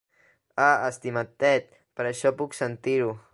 Ah, estimat Ted, per això puc sentir-ho.